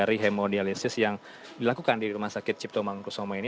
dari hemodialisis yang dilakukan di rumah sakit cipto mangkusomo ini